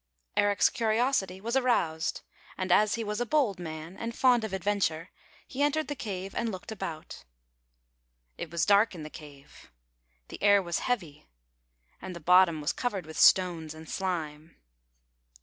Eric's curiosity was aroused, and as he was a bold man and fond of adventnre, he entered the cave and looked about. It was dark in the cave; the air was heavy, [ 155 ] FAVORITE FAIRY TALES RETOLD and the bottom was covered with stones and slime.